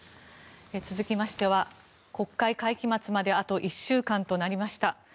続きましては、国会会期末まであと１週間となりました。